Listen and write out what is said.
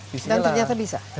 dan ternyata bisa